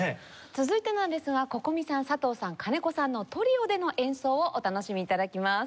続いてなんですがＣｏｃｏｍｉさん佐藤さん金子さんのトリオでの演奏をお楽しみ頂きます。